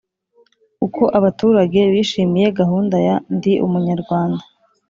Uko abaturage bishimiye gahunda ya Ndi Umunyarwanda